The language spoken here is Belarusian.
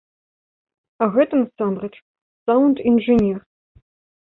А гэта, насамрэч, саўнд-інжынер.